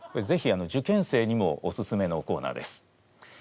ぜひ受験生にもおすすめのコーナーです。